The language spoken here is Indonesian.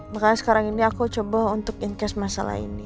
makanya sekarang ini aku coba untuk incase masalah ini